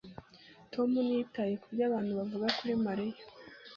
tom ntiyitaye kubyo abantu bavuga kuri mariya